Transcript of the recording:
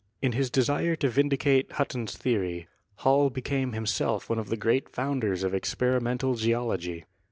In his desire to vindicate Hutton's WERNER AND HUTTON 65 theory, Hall became himself one of the great founders of experimental geology.